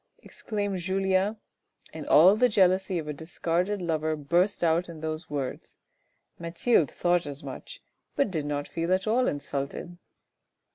" exclaimed Julien, and all the jealousy of a discarded lover burst out in those words, Mathilde thought as much, but did not feel at all insulted.